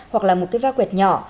hoặc là một cái va quyệt nhỏ